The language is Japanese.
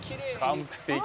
「完璧！」